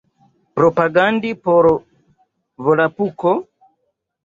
Propagandi por Volapuko?